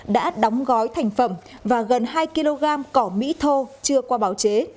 đã đóng gói thành phẩm và gần hai kg cỏ mỹ thô chưa qua báo chế